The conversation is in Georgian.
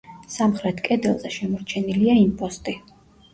სამხრეთ კედელზე შემორჩენილია იმპოსტი.